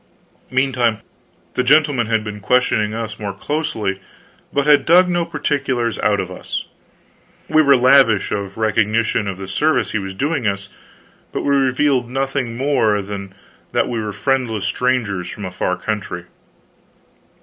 Meantime the gentleman had been questioning us more closely, but had dug no particulars out of us. We were lavish of recognition of the service he was doing us, but we revealed nothing more than that we were friendless strangers from a far country.